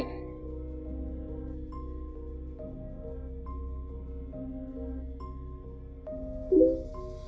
thủ đoạn lừa đảo tình vi